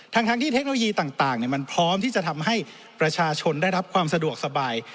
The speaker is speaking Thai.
ทั้งที่เทคโนโลยีต่างมันพร้อมที่จะทำให้ประชาชนได้รับความสะดวกสบาย